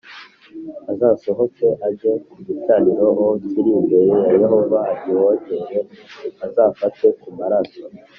Azasohoke ajye ku gicaniro o kiri imbere ya Yehova agihongerere Azafate ku maraso